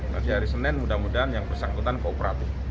tapi hari senin mudah mudahan yang bersangkutan kooperatif